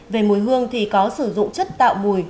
về mùi hương thì có sử dụng chất tạo mùi